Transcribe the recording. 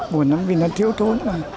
buồn lắm vì nó thiếu tốn